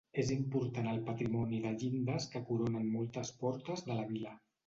És important el patrimoni de llindes que coronen moltes portes de la vila.